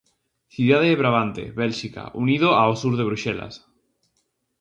Cidade de Brabante, Bélxica, unido ao sur de Bruxelas.